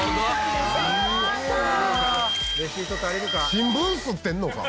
新聞刷ってんのか？